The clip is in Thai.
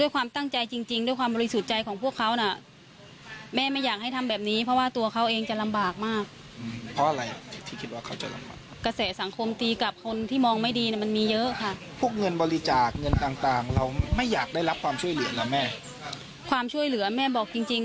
ความช่วยเหลือนะแม่บอกจริง